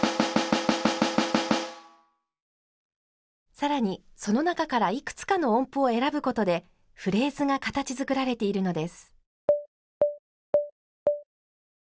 更にその中からいくつかの音符を選ぶことでフレーズが形づくられているのです。